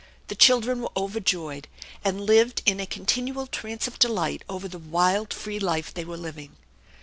The children were over joyed, and lived in a continual trance of delight over the wild, free life they were living.